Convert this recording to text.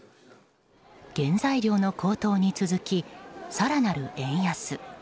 原材料の高騰に続き、更なる円安。